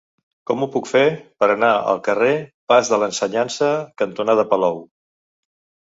Com ho puc fer per anar al carrer Pas de l'Ensenyança cantonada Palou?